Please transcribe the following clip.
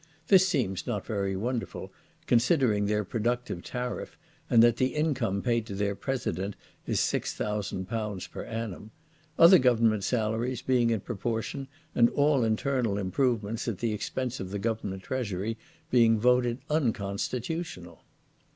This seems not very wonderful, considering their productive tariff, and that the income paid to their president is 6,000_L. per annum_; other government salaries being in proportion, and all internal improvements, at the expense of the government treasury, being voted unconstitutional.